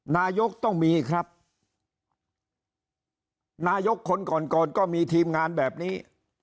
นายกต้องมีครับนายกคนก่อนก่อนก็มีทีมงานแบบนี้